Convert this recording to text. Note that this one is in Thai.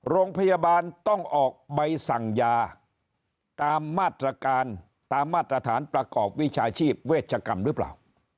โรงพยาบาลต้องออกใบสั่งยาตามมาตรการตามมาตรฐานประกอบวิชาชีพเวชกรรมหรือเปล่า